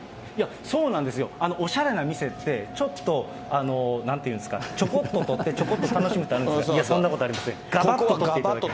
そうなんですよ、おしゃれな店って、ちょっとなんていうんですか、ちょこっと取って、ちょこっと楽しむってありますけれども、そんなことありません。